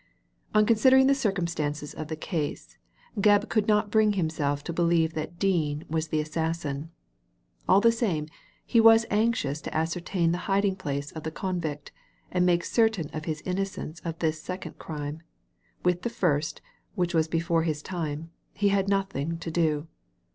On considering the circumstances of the case Gebb could not bring himself to believe that Dean was the assassin. All the same he was anxious to ascertain the hiding place of the convict, and make certain of his innocence of this second crime ; with the first, which was before his time, he had nothing to do.